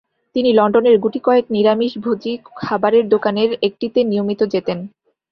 তিনি লন্ডনের গুটি কয়েক নিরামিষভোজী খাবারের দোকানের একটিতে নিয়মিত যেতেন।